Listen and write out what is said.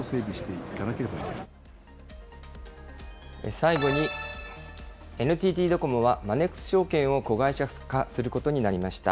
最後にＮＴＴドコモは、マネックス証券を子会社化することになりました。